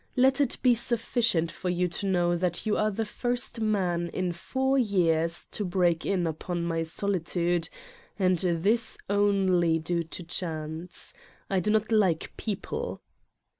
Let it be sufficient for you to know that you are the first man in four years to break in upon my solitude and this only due to chance. I do not like people."